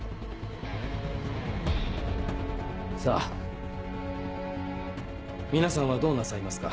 さぁ皆さんはどうなさいますか？